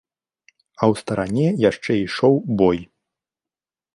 А ў старане яшчэ ішоў бой.